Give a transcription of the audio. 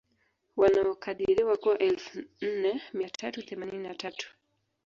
Wanaokadiriwa kuwa elfu nne mia tatu themanini na tatu